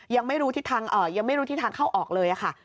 ยังไม่รู้ทิศทางเข้าออกเลยค่ะ